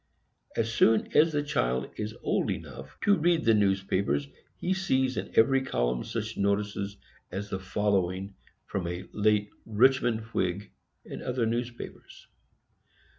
As soon as a child is old enough to read the newspapers, he sees in every column such notices as the following from a late Richmond Whig, and other papers.